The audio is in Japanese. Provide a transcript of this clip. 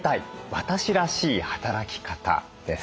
私らしい働き方」です。